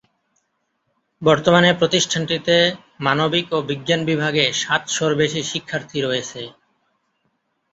বর্তমানে প্রতিষ্ঠানটিতে মানবিক ও বিজ্ঞান বিভাগে সাতশ’র বেশি শিক্ষার্থী রয়েছে।